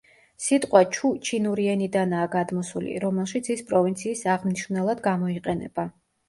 სიტყვა ჩუ ჩინური ენიდანაა გადმოსული, რომელშიც ის პროვინციის აღმნიშვნელად გამოიყენება.